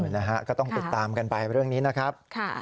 นะฮะก็ต้องติดตามกันไปเรื่องนี้นะครับ